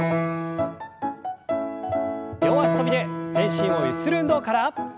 両脚跳びで全身をゆする運動から。